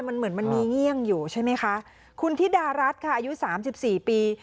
มันเหมือนมันมีเงี่ยงอยู่ใช่ไหมคะคุณธิดารัฐค่ะอายุสามสิบสี่ปี